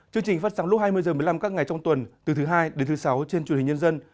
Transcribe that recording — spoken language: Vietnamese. chương trình phát sóng lúc hai mươi h một mươi năm các ngày trong tuần từ thứ hai đến thứ sáu trên truyền hình nhân dân